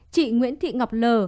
chị nguyễn thị ngọc l